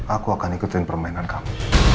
aku akan ikutin permainan kamu